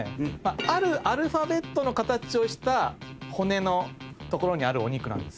あるアルファベットの形をした骨の所にあるお肉なんですよ。